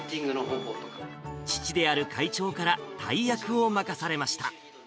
父である会長から大役を任されました。